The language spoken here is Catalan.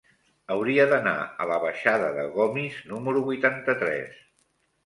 Hauria d'anar a la baixada de Gomis número vuitanta-tres.